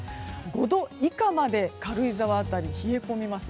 ５度以下まで軽井沢辺り、冷え込みます。